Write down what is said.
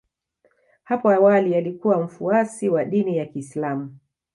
Apo awali alikuwa mfuasi wa dini ya Kiislam